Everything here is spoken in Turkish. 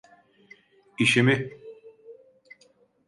İşimi…